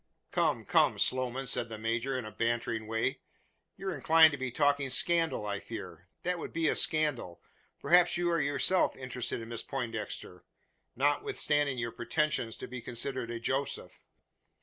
"Come, come, Sloman!" said the major, in a bantering way; "you are inclined to be talking scandal, I fear. That would be a scandal. Perhaps you are yourself interested in Miss Poindexter, notwithstanding your pretensions to be considered a Joseph?